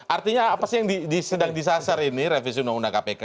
artinya apa sih yang sedang disasar ini revisi undang undang kpk